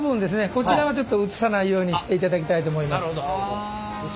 こちらはちょっと映さないようにしていただきたいと思います。